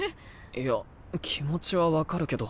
いや気持ちは分かるけど。